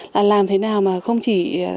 là làm thế nào mà không chỉ